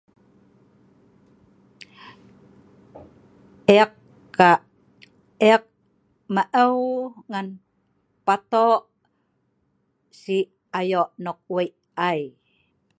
Eek kak, eek maeu ngan patoq si ayu nok wei ai